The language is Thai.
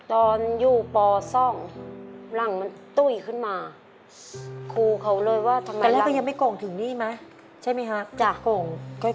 ตอนอยู่ปซ่องหลังมันตุ้ยขึ้นมาครูเขาเลยว่าทำไมล่ะอเรนนี่แค่ที่แขนคือหลังเหลืองน้องก็เป็นปกติเหมือนเด็กคนอื่นครับ